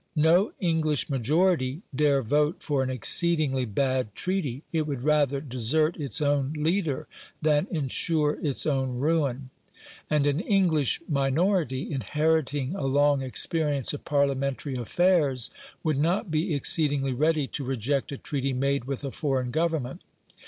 No English majority dare vote for an exceedingly bad treaty; it would rather desert its own leader than ensure its own ruin. And an English minority, inheriting a long experience of Parliamentary affairs, would not be exceedingly ready to reject a treaty made with a foreign Government.